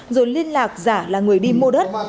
rồi liên lạc giả là người đi mua đất